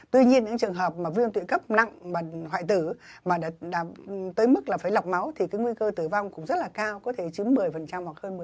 tuy nhiên những trường hợp mà viêm tụy cấp nặng mà hoại tử mà tới mức là phải lọc máu thì cái nguy cơ tử vong cũng rất là cao có thể chiếm một mươi hoặc hơn một mươi